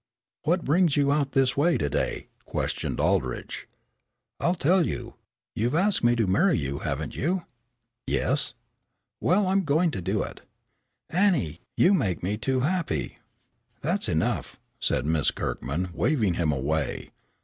"What brings you out this way to day?" questioned Aldrich. "I'll tell you. You've asked me to marry you, haven't you?" "Yes." "Well, I'm going to do it." "Annie, you make me too happy." "That's enough," said Miss Kirkman, waving him away.